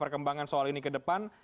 perkembangan soal ini ke depan